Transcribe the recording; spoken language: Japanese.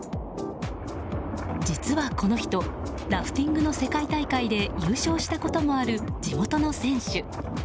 実はこの人ラフティングの世界大会で優勝したこともある地元の選手。